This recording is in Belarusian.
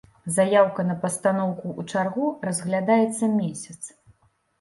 Заяўка на пастаноўку ў чаргу разглядаецца месяц.